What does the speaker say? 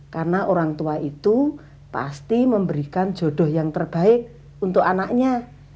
karena orang tua itu pasti memberikan jodoh yang terbaik untuk anaknya